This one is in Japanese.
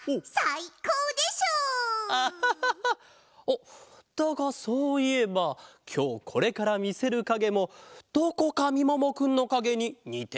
アハハハだがそういえばきょうこれからみせるかげもどこかみももくんのかげににていたような。